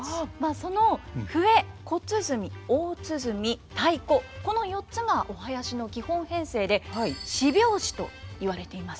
その笛小鼓大鼓太鼓この４つがお囃子の基本編成で「四拍子」と言われています。